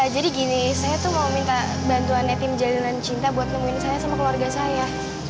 jadi gini saya tuh mau minta bantuan tim jalanan cinta buat nemuin saya sama keluarga saya